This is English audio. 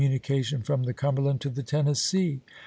munication from the Cumberland to the Tennessee.